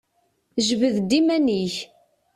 Jbed-d iman-ik!